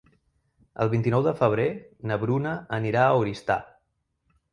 El vint-i-nou de febrer na Bruna anirà a Oristà.